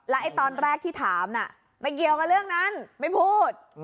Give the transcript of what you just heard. ตอนแรกที่ถามน่ะไม่เกี่ยวกับเรื่องนั้นไม่พูด